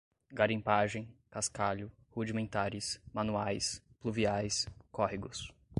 garimpagem, cascalho, rudimentares, manuais, pluviais, córregos